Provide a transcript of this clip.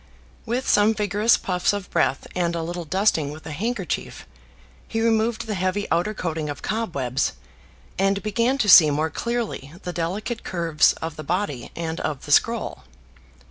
With some vigorous puffs of breath and a little dusting with a handkerchief he removed the heavy outer coating of cobwebs, and began to see more clearly the delicate curves of the body and of the scroll.